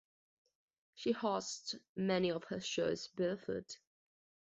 She hosts many of her shows barefoot.